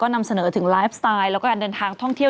นำเสนอถึงไลฟ์สไตล์แล้วก็การเดินทางท่องเที่ยว